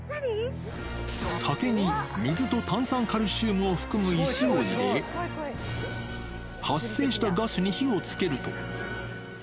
竹に水と炭酸カルシウムを含む石を入れ、発生したガスに火をつけると。